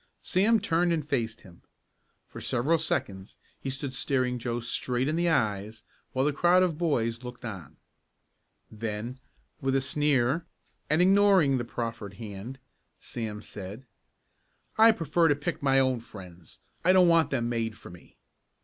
Sam turned and faced him. For several seconds he stood staring Joe straight in the eyes while the crowd of boys looked on. Then with a sneer, and ignoring the proffered hand, Sam said: "I prefer to pick my own friends. I don't want them made for me."